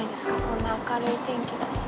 こんな明るい天気だし。